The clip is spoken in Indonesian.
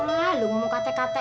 wah lo ngomong katek katek